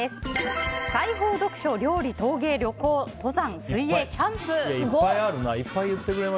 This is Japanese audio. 裁縫、読書、料理、陶芸旅行、登山、水泳、キャンプ。